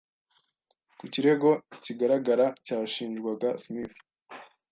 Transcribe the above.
ku kirego kigaragara cyashinjwaga Smith